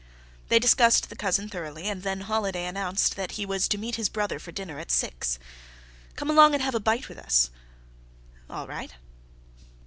They discussed the cousin thoroughly, and then Holiday announced that he was to meet his brother for dinner at six. "Come along and have a bite with us." "All right."